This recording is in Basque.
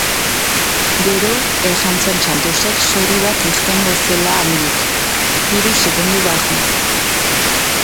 Gero esan zuen Santosek txori bat irtengo zela handik, hiru segundo barru.